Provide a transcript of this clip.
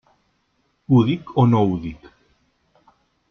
Ho dic o no ho dic?